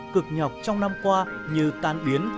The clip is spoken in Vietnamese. cực nhọc trong năm qua như tan biến